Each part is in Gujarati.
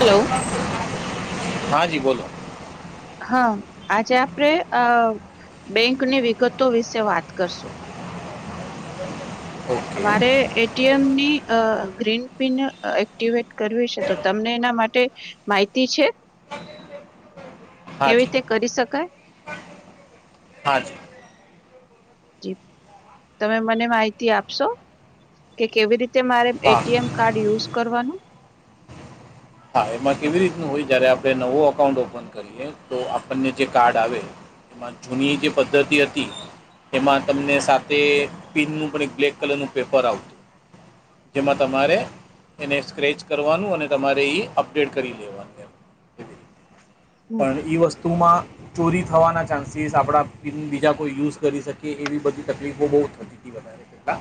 હલો. હા જી બોલો. હા આજે આપણે અ બેંકની વિગતો વિશે વાત કરશું. ઓકે મારે એ ટી એમની અ ગ્રીન પિન એક્ટવેટ કરવી છે તો તમને એના માટે માહિતી છે. હા કેવી જી રીતે કરી શકાય. મારું. તમે મને માહિતી આપશો કે કેવી રીતે મારે એ હા ટી એમ કાર્ડ યુઝ કરવાનું. હા એમાં કેવી રીતનું હોય જયારે આપણે નવો અકાઉન્ટ ઓપન કરીએ તો આપણને જે કાર્ડ આવે એમાં જૂની જે પદ્ધતિ હતી. એમાં તમને સાથે પિનનું પણ એક બ્લેક કલરનું પેપર આવતું. જેમાં તમારે એને સ્ક્રેચ કરવાનું અને તમારે એ અપડેટ કરી લેવાનું. એમ એવી રીતે હમ પણ એ વસ્તુમાં ચોરી થવાના ચાન્સીસ આપણા પિન બીજા કોઈ યુઝ કરી શકેએ એવી બધી તકલીફો બહુ થતી એનથી વધારે બા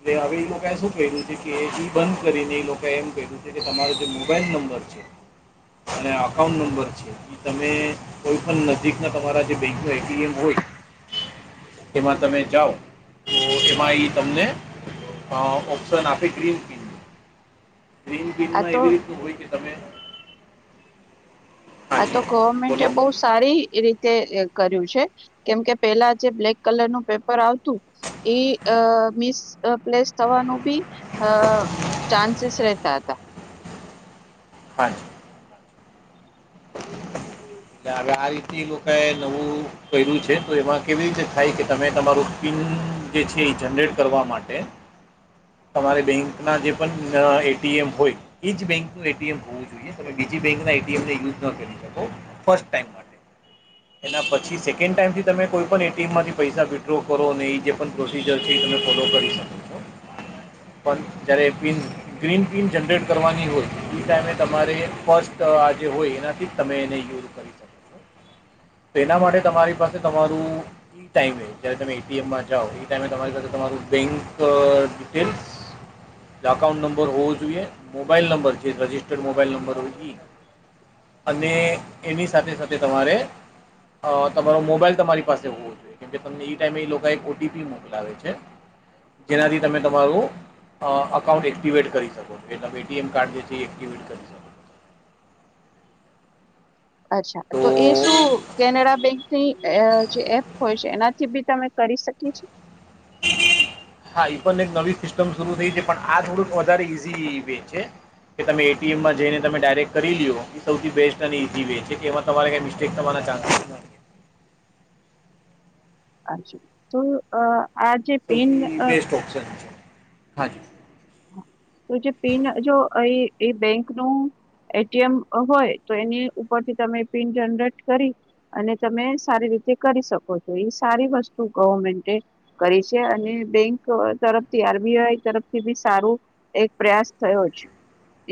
એટલે હવે એ લોકાએ શું ક્યું છે કે ઈ બંધ કરીને એ લોકોએ એમ ક્યું છે કે તમારો જે મોબાઈલ નંબર છે. અને અકાઉન્ટ નંબર છે. તમે કોઈ પણ નજીકના તમારા જે બેંક ના એ ટી એમ હોય એમાં તમે જાઓ તો એમાં એ તમને પાહો ઓપ્શન આપે ગ્રીમ કે ગ્રીન આ પીનમાં તો એવી રીતનું હોય કે તમે આ તો હાજી ગવર્મેન્ટ એ બોલો બહુસ સારી રીતે કર્યું છે કેમ કે પેલા જે બ્લેક કલર નું પેપર આવતું એ મિસ પ્લેસ થવાનું બી અ ચાન્સેસ રહેતા હતા. હાય હવે આ રીતે એ લોકોએ નવું કર્યું છે તો એમાં કેવી રીતે થાય કે તમે તમારું સ્કીન જે છે એ જનરેટ કરવા માટે હ તમારે બેંકના જે પણ એટીએમ હોય એ જ બેંકનું એટીએમ હોવું જોઈએ બીજી બેંક ના એ ટી એમ ને યુઝ ન કરી શકો ફર્સ્ટ ટાઈમ માટે એના પછી સેકન્ડ ટાઈમથી તમે કોઈ પણ એટીએમ માંથી પૈસા વિડ્રો કરો ને એ જે પણ પ્રો થી ઝડપી તમે ફોલો કરી શકો. છો પણ જયારે એ પિન ગ્રીન પિન જનરેટ કરવાની હોય એ ટાઈમે તમારે ફર્સ્ટ આ જે હોય એનાથી જ તમે એને યુઝ એના માટે તમારી પાસે તમારું ઈ ટાઈમે એ જયારે તમે એ ટી એમમાં જાઓ એ ટાઈમે તમારી સાથે તમારું બેંક ડિટેલ્સ અકાઉંન્ટ નંબર હોવો જોઈએ મોબાઈલ નંબર જે રજિસ્ટર્ડ મોબાઈલ નંબર હોય ઈ અને એની સાથે સાથે તમારે અ તમારો મોબાઈલ તમારી પાસે હોવો કે તમને એ ટાઈમે એ લોકો એક ઓ ટી પી મોકલાવે છે જેનાથી તમે તમારું અ અકાઉન્ટ એક્ટિવેટ કરી શકો છો તમે એ ટી એમ કાર્ડ જે છે એ એક્ટિવેટ કરી શકો. છો અચ્છા તો એ શું કેનેડા બેંક જે એપ હોય છે એનાથી બી તમે કરી શકી છી હા ઈ પણ એક નવી સિસ્ટમ શરૂુ થઈ છે પણ આ થોડુંક વધારે ઈઝી વે છે કે તમે એટીએમમાં જઈને તમે ડાયરેક્ટ કરી લ્યો એ સૌથી બેસ્ટ અને ઇઝી વે છે કે એમાં તમારે કંઈ મિસ્ટેક થવાના ચાન્સ થાય અ તો અ આજ સૌથી બેસ્ટ ઓપ્શન છે હા જ તો જે પિન જો એ એ બેંક નું એટીએમ હોય તો એની ઉપરથી તમે પિન જનરેટ કરી અને તમે સારી રીતે કરી શકો છો એ સારી વસ્તુ ગવર્મેન્ટ કરી છે અને બેંક તરફથી આરબીઆઈ તરફથી બી સારું એક પ્રયાસ થયો છે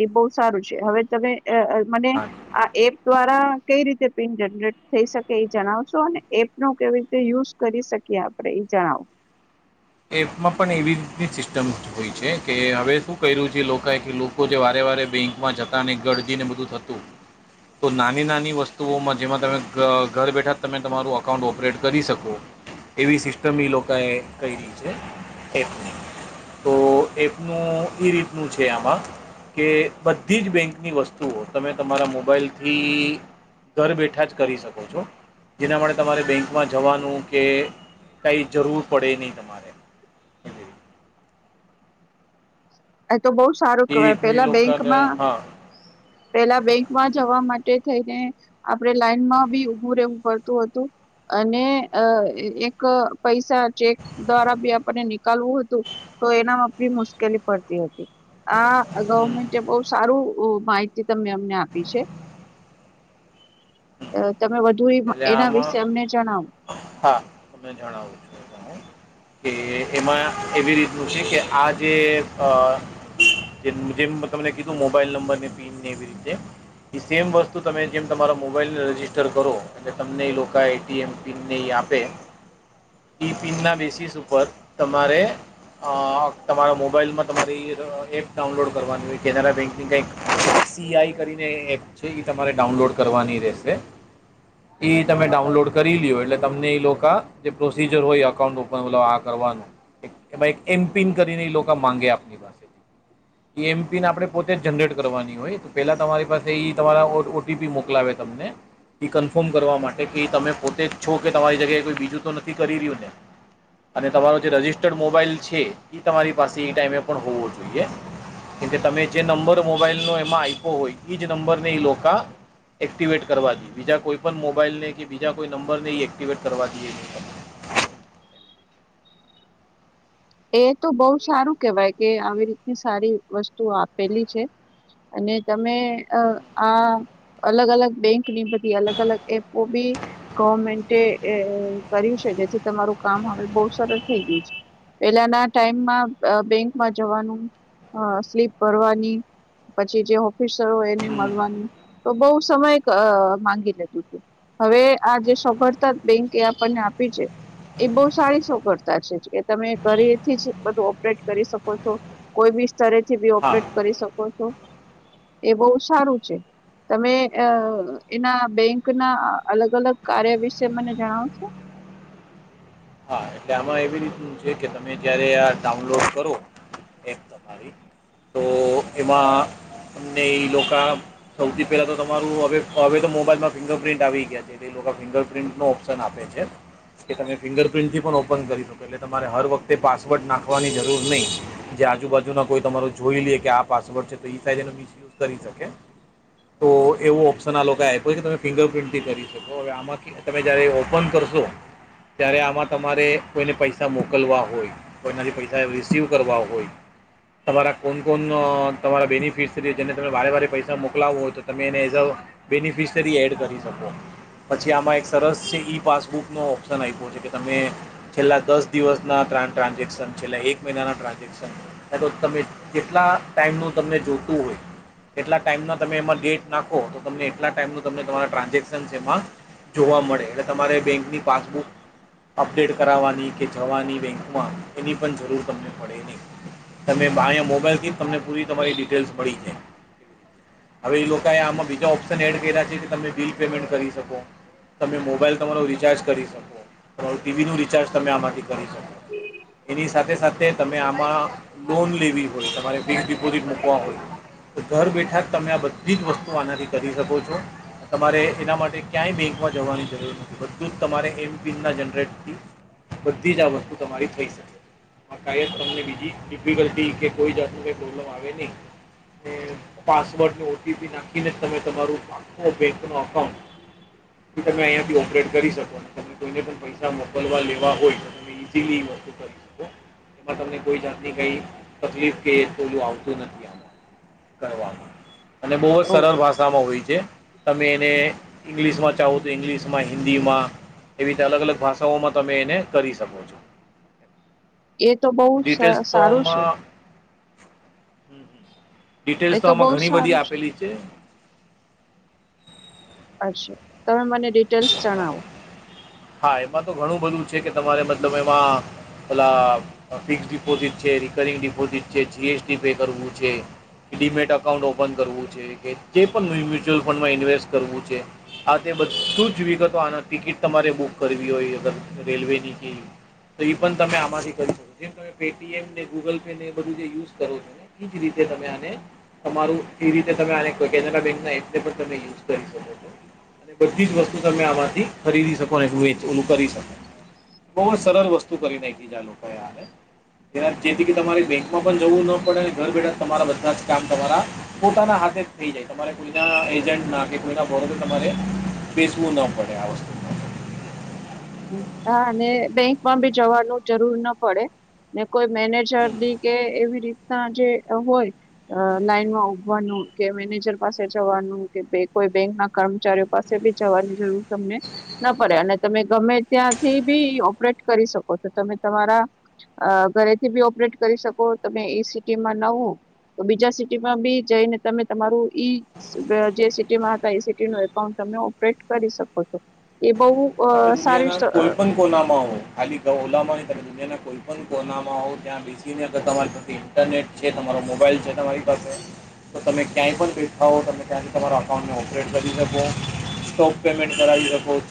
એ બહુ સારું છે હવે તમે અઅ મને હાજી આ એપ દ્વારા કઈ રીતે પિન જનરેટ થઈ શકે એ જણાવશો અને એપનો કેવી રીતે યુઝ કરી શકીએ આપ એ જણાવો એપમાં પણ એવી રીતની સિસ્ટમ હોય છે કે હવે શું કર્યું છે લોકોં કે લોકો જે વારે વારે બેંકમાં જતાંને ગરદી ને બધું થતું તો નાની નાની વસ્તુઓમાં જેમાં તમે ઘ ઘર બેઠા તમે તમારું અકાઉન્ટ ઓપરેટ કરી શકો એવી સિસ્ટમ લોકો એ ક્યરી છે એપ ની તો એપ નું ઈ રીતનું છે આમાં કે બધી જ બેંકની વસ્તુઓ તમે તમારા મોબાઈલથી ઘર બેઠા જ કરી શકો છો જેના માટે તમારે બેંકમાં જવાનું કે કાંઈ જરૂર પડે નહીં મારે એ [inaudible] એ તો બહુ સારું એ કેવાય રીતનું એ પેલા લોકો બેંકમાં હા પેલા બેંક માં જવા માટે થઈને આપડે લાઈન માં બી ઊભું રહેવું પડતું હતું અને અ એક પૈસા ચેક દ્વારા બી આપણને નીકાલવું હતું તો એનામાં બી મુશ્કેલી પડતી હતી આ હમ, ગવર્મેન્ટ બહ સારું માહિત ત અમને આપી છે હમ. તમે વધુ તો એટલે એના વિશે આમાં અમને જણાવ હા તમે જણાવું છો કે એમાં એવી રીતનું છે કે આ જેમ તમને કીધું મોબાઈલ નંબરને પિનને એવી રીતે એ સેમ વસ્તુ તમે જેમ તમારા મોબાઈલને રજિસ્ટર કરો એટલે તમને એ લોકો એટીએમ પિનને એ આપે ઈ પિનના બેસિસ ઉપર તમારે તમારા મોબાઈલમાં તમારી એપ ડાઉનલોડ કરવાની હોય કેનેરા બેન્કિંગ કંઈક સીઆઈ કરીને એપ છે એ તમારે ડાઉનલોડ કરવાની રહેશે એ તમે ડાઉનલોડ કરીલ્યો એટલે તમને એ લોકો જે પ્રોસીજર હોય અકાઉન્ટ ઓપન તલબ આ કરવાનું એમાં એક એમપિન કરીને એ લોકો માંગે આપની વાત હ એ એમપિન આપણે પોતે જ જનરેટ કરવાની હોય તો પહેલા તમારી પાસે એ તમારા ઓટીપી મોકલાવે તમને એ કન્ફર્મ કરવા માટે કે તમે પોતે જ છો કે તમારી જગ્યાએ કોઈ બીજું તો નથી કરી રહ્યું ને અને તમારો જે રજિસ્ટર્ડ મોબાઈલ છે એ તમારી પાસે એ ટાઈમે પણ હોવો જોઈએ કે કે તમે જે નંબર મોબાઈલ નો એમાં આપ્યો હોય એજ નંબરને એ લોકા એક્ટિવેટ કરવાથીઈ બીજા કોઈ પણ મોબાઈલ ને કે બીજા કોઈ નંબર ને એક્ટિવેટ કરવા દઈએ તમે એ તો બહુ સારું કેવાય કે આવી રીતની સારી વસ્તુ આપેલી છે અને તમે અ આ અલગ અલગ બેંકની બધી અલગ અલગ એપો બી ગવર્મેન્ટે એ કર્યું છે જેથી તમારું કામ હવે બહુ સરળ થઈ ગયું છે. પહેલાના ટાઈમમાં બેંકમાં જવાનું સ્લીપ ભરવાની. પછી જે ઓફિસરો હોય એને હમ મળવાનું તો બહુ સમય માંગી લેતું હતું. હવે આ જે સફળતા બેંકે આપણને આપી છે એ બહુ સારી [inaudible] કરતા છે કે તમે ઘરેથી જ બધું ઓપરેટ કરી શકો છો કોઈ બી સ્તરે થી બી હા ઓપરેટ કરી શકો [inaudible] એ બહુ સારું છે. તમે અ એના બેંક ના અલગ અલગ કાર્ય વિશે મને જણાવ શો. હા એટલે આમાં એવી રીતનું છે કે તમે જ્યારે આ ડાઉનલોડ કરો એપ તમારી તો એમાં અમને એ લોકા સૌથી પહેલા તો તમારું હવે હવે તો મોબાઈલમાં ફિંગર પ્રિન્ટ આવી ગયા છે. એ લોકો ફિંગર પ્રિન્ટ નો ઓપ્શન આપે છે કે તમે ફિંગર પ્રિન્ટ થી ઓપન કરી શકો એટલે તમારે હર વખતે પાસવર્ડ નાખવાની જરૂર નહીં. જે આજુબાજુના કોઈ તમાર જોઈ લઈએ કે આ પાસવર્ડ છે તો ઈ શાયદ તેનો મિસયુઝ કરી શકે. તો એવું ઓપ્શન આ લોકોએ આપ્યું કે તમે ફિંગર પ્રિન્ટથી કરી હવે આમાં થી તમે જ્યારે ઓપન કરશો ત્યારે આમાં તમારે કોઈને પૈસા મોકલવા હોય કોઈનાથી પૈસા રિસીવ કરવા હોય તમારા કોન કોન તમારા બેનિફિટ્સ છે જેને તમે વારે વારે પૈસા મોકલાવો હોય તો તમે એને એઝ અ બેનિફિશયરી એડ કરી શકો પછી આમાં એક સરસ છે ઈ પાસબુક નો ઓપ્શન આપ્યો છે તમે છેલ્લા દસ દિવસ ના ટ્રાન્ઝેક્શન છેલ્લા એક મહિનાના ટ્રાન્ઝેક્શન એ તો તમે કેટલા ટાઈમ નું તમને જોતું હોય એટલા ટાઈમ ના તમે એમાં ડેટ નાખો તો તમને એટલા ટાઈમ ન તમ તમા ટ્રાન્ઝેક્શન છે એમાં જોવા મળે એટલે તમારે બેંકની પાસબુક અપડેટ કરાવવાની કે જવાની બેંકમાં એની પણ જરૂર તમને પડે નહીં. તમે અહીં મોબાઈલ થી જ તમને પૂરી તમારી ડિટેલ્સ મળી જાય. હવે એ લોકોએ આમાં બીજા ઓપ્શન એડ કર્યા છે કે તમે બિલ પેમેન્ટ કરી શકો. તમે મોબાઈલ તમારો રિચાર્જ કરી શકો. તમારું ટીવી નું રિચાર્જ તમે આમાંથી કરી શકો એની સાથે સાથે તમે આમાં લોન લેવી હોય તમારે ફિક્સ ડિપોઝિટ મૂકવા હોય ઘર બેઠા જ તમે આ બધી જ વસ્તુ આનાથી કરી શકો છો તમારે એના માટે ક્યાંય બેંકમાં જવાની જરૂર નથી બધું જ તમારે થી બધી જ આ વસ્તુ તમારી થઈ શકે શાયદ તમને બીજી ડિફિકલ્ટી કે કોઈ જાતને પ્રોબ્લેમ આવે નહીં. પાસવર્ડને ઓટીપી નાખીને જ તમે તમારું આખો બેંકનો અકાઉન્ટ તમે અહીંયાથી ઓપરેટ કરી શકો તમે કોઈને પણ પૈસા મોકલવા લેવા હોય તો તમે ઇઝીલી યુઝ કરી શકો. એમાં તમને કોઈ જાતની કઈ તકલીફ કે આવતું નથી આમાં. કરવામાં અને બહુ જ સરળ ઓહ, ભાષા ભાષામાં હોય છે તમે એને ઇંગ્લિશમાં ચાહો તો ઇંગ્લિશમાં હિન્દીમાં એવી રીતે અલગ અલગ ભાષાઓમાં તમે એને કરી શકો છો. એ તો બહુ સ ડીટેલ્સ તો સારું છે આમાં ડિટેલ્સ એ તો આમાં બહુ ઘણી બધી સારું આપેલી છે. અચ્છા તમે મને ડિટેલ્સ હા જણાવો. હા એમાં તો ઘણું બધું છે કે તમારે મતલબ એમાં ઓલા ફિક્સ ડિપોઝિટ છે રિકરિંગ ડિપોઝિટ છે જીએસટી પે કરવું છે કે ડીમેટ એકાઉન્ટ ઓપન કરવું છે જે પણ મ્યુ્યુલ ફંડમાં ઇન્વેસ્ટ કરવું છે આ તે બધા શું જ વિગતો આના ટિકિટ તમારે બુક કરવી હોય અગર રેલવેની કે તો પણ તમે આમાંથી કરી શકો જેમ તમે પેટીએમ ને ગૂગલ પે ને એ બધું જે યુઝ કરો છો એજ રીતે તમે આને તમારું એ રીતે તમે આ કેનેરા બેંક ના એલે પણ તમે યુઝ કરી શકો છો અને બધી જ વસ્તુ તમે આમાંથી ખરીદી શકો અને એટલુંચ એું કરી શકો બહુ જ સરળ વસ્તુ કરી નાખી જાય લોકોએારે જેથી કે તમારે બેંકમાં પણ જવું ના પડે ઘર બેઠા તમારા બધા જ કામ તમારા પોતાના હાથે જ થઈ જાય તમારે કોઈના એજન્ટ ના કે કોઈના બરો તમારે બેસવું ન પડે આ વસ્તુ હા અને બેંકમાં ભી જવાનું જરૂર ના પડે ને કોઈ હમ મેનેજરની કે એવી રીતના જે હોય અ લાઈનમાં ઉભવાનું કે મેનેજર પાસે જવાનું કે કોઈ બેંક ના કર્મચારીઓ પાસે બી જવાની જરૂર તમને ના પડે અને તમે તમે ત્યાંથી બી ઓપરેટ કરી શકો છો તમે તમારા અ ઘરેથી બી ઓપરેટ કરી શકો તમે એ સિટી માં નવો તો બીજા સિટીમાં બી જઈને તમે તમારું ઈ જે સિટીમાં હતા એ સિટી ન એકાઉન્ટ તમે ઓપરેટ કરી શકો છો એ બ તમે દુનિયાના કોઈ પણ કોનામાં ખાલી ઓલામાં ત દુનિયાના કોઈ પણ કોનામા હો ત્યાં અગર તમારી પાસે ઇન્ટરનેટ છે તમારો મોબાઈલ છે તમારી પાસે તો તમે ક્યાંય પણ બેઠા હો તમે ક્યાંથી તમારા અકાઉન્ટને ઓપરેટ કરી શકો સ્ટોક પેમેન્ટ કરાવી શકો ચ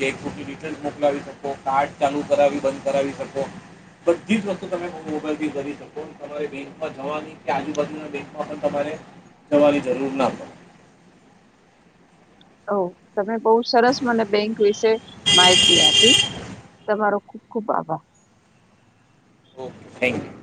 મોકલાવી શકો કાર્ડ ચાલુ કરાવી બંધ કરાવી શકો બધી જ વસ્તુ તમે મોબાઈલથી કરી શકો તમારે બેંકમાં જવાની કે આજુબાજુના બેંકમાં પણ તમારે કરવાવાી જરૂર ના પે ઓ તમે બહુ સરસ મને બેંક વિશે માહિતી આપી તમારો ખુબ ખુબ આભાર ઓકે થેન્ક યુ